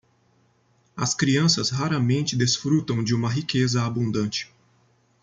As crianças raramente desfrutam de uma riqueza abundante.